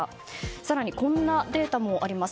更に、こんなデータもあります。